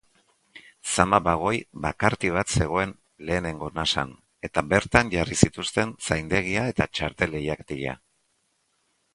Zama-bagoi bakarti bat zegoen lehenengo nasan eta bertan jarri zituzten zaindegia eta txartel-leihatila.